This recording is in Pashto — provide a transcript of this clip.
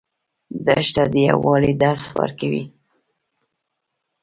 دښته د یووالي درس ورکوي.